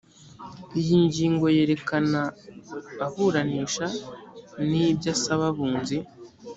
iyi ngingo yerekana aburanisha n ibyo asaba abunzi